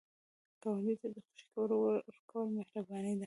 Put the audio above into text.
ګاونډي ته د خوښۍ خبر ورکول مهرباني ده